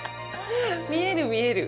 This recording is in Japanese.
見える、見える。